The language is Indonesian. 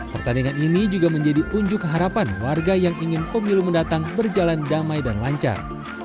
pertandingan ini juga menjadi unjuk harapan warga yang ingin pemilu mendatang berjalan damai dan lancar